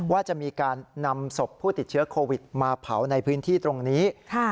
ว่าจะมีการนำศพผู้ติดเชื้อโควิดมาเผาในพื้นที่ตรงนี้